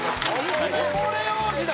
こぼれ王子だ！